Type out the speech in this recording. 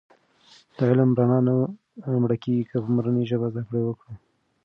د علم د رڼا نه مړکېږو که په مورنۍ ژبه زده کړه وکړو.